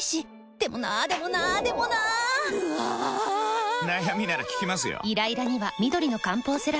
でもなーでもなーでもなーぬあぁぁぁー！！！悩みなら聞きますよ。